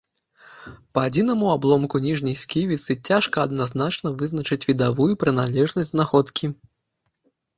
Па адзінаму абломку ніжняй сківіцы цяжка адназначна вызначыць відавую прыналежнасць знаходкі.